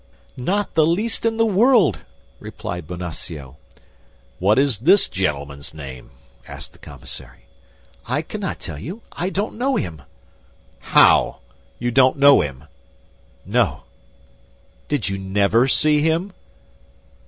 "Not the least in the world," replied Bonacieux. "What is this gentleman's name?" asked the commissary. "I cannot tell you; I don't know him." "How! You don't know him?" "No." "Did you never see him?"